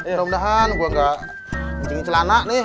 mudah mudahan gua gak ngingin celana nih